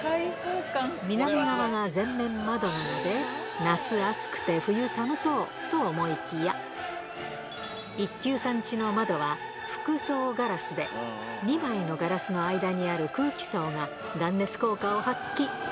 南側が全面窓なので、夏暑くて、冬寒そうと思いきや、１級さんちの窓は、複層ガラスで、２枚のガラスの間にある空気層が、断熱効果を発揮。